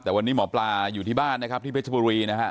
แต่วันนี้หมอปลาอยู่ที่บ้านนะครับที่เพชรบุรีนะฮะ